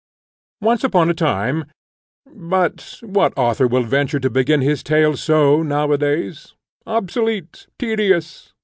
Once upon a time But what author will venture to begin his tale so now a days? Obsolete! tedious!